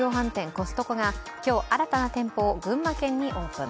コストコが今日新たな店舗を群馬県にオープン。